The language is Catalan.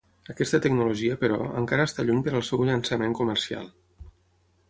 Aquesta tecnologia, però, encara està lluny per al seu llançament comercial.